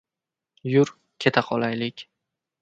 — Yur, keta qolaylik.